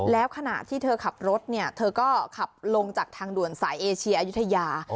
แล้วขณะที่เธอขับรถเนี่ยเธอก็ขับลงจากทางด่วนสายเอเชียอายุทยา